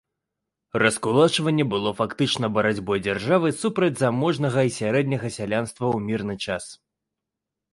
Раскулачванне было фактычна барацьбой дзяржавы супраць заможнага і сярэдняга сялянства ў мірны час.